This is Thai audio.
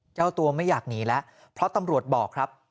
เจ้าตัวไม่อยากหนีแล้วเพราะตำรวจบอกครับ